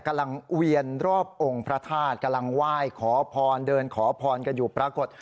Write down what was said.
เวียนรอบองค์พระธาตุกำลังไหว้ขอพรเดินขอพรกันอยู่ปรากฏ